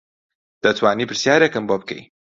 دەتوانی پرسیارێکم بۆ بکەی